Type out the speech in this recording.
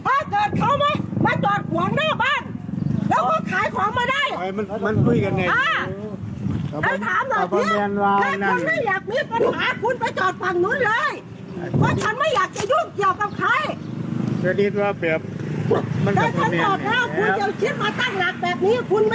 ได้ฉันบอกนะคุณจะคิดมาตั้งหลักแบบนี้คุณไม่ได้